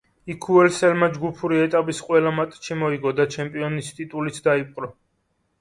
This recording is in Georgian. იქ უელსელმა ჯგუფური ეტაპის ყველა მატჩი მოიგო და ჩემპიონის ტიტულიც დაიპყრო.